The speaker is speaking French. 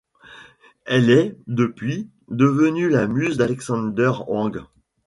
Elle est, depuis, devenue la muse d'Alexander Wang.